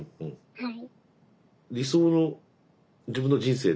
はい。